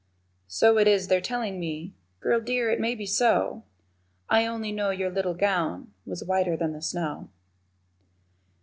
So it is they're tellin' me, Girl dear, it may be so, I only know your little gown Was whiter than the snow.